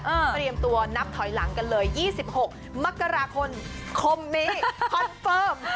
เตรียมตัวนับถอยหลังกันเลย๒๖มกราคมคมนี้คอนเฟิร์ม